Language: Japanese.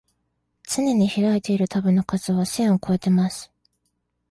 つねに開いているタブの数は千をこえてます